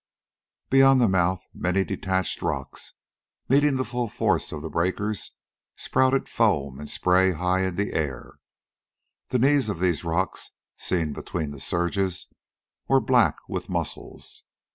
Beyond the mouth many detached rocks, meeting the full force of the breakers, spouted foam and spray high in the air. The knees of these rocks, seen between the surges, were black with mussels.